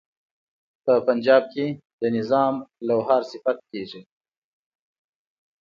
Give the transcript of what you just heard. په پنجاب کې د نظام لوهار صفت کیږي.